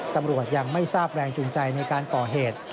ตำรวจยังไม่ทราบแรงจูงใจในการก่อเหตุ